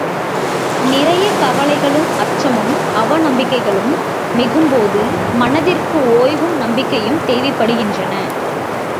நிறைய கவலைகளும் அச்சமும் அவநம்பிக்கைகளும் மிகும்போது மனத்திற்கு ஓய்வும் நம்பிக்கையும் தேவைப்படுகின்றன.